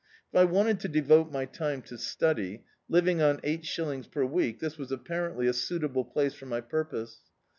If I wanted to devote my time to study, living on eig^t shillings per week, this was apparently a suitable place for my purp>ose.